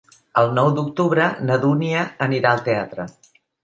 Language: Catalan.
El nou d'octubre na Dúnia anirà al teatre.